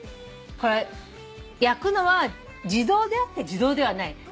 これ焼くのは自動であって自動ではない。